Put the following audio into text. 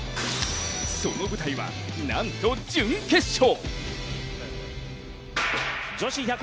その舞台はなんと準決勝。